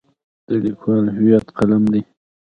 د لیکوال هویت قلم دی.